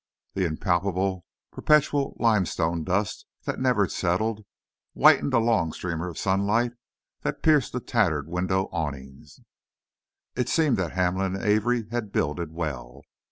The impalpable, perpetual limestone dust that never settled, whitened a long streamer of sunlight that pierced the tattered window awning. It seemed that Hamlin and Avery had builded well.